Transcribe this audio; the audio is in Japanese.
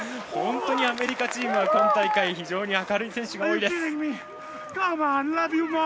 本当にアメリカチームは今大会非常に明るい選手が多いです。